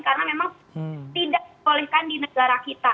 karena memang tidak dikolehkan di negara kita